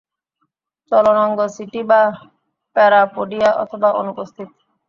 চলনাঙ্গ setae বা parapodia অথবা অনুপস্থিত।